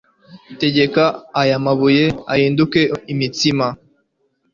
tegeka aya mabuye ahinduke imitsima."